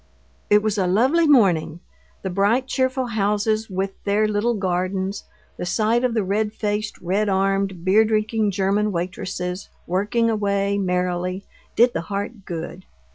It was a lovely morning: the bright, cheerful houses with their little gardens, the sight of the red faced, red armed, beer drinking German waitresses, working away merrily, did the heart good.